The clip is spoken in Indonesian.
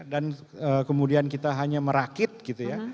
dan kemudian kita hanya merakit gitu ya